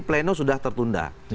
pleno sudah tertunda